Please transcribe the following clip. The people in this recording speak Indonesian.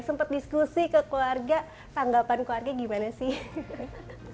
sempat diskusi ke keluarga tanggapan keluarga gimana sih